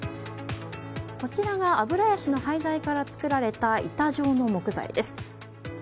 こちらがアブラヤシの廃材から作られた板状の木材です。